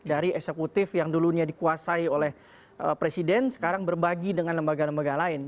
dari eksekutif yang dulunya dikuasai oleh presiden sekarang berbagi dengan lembaga lembaga lain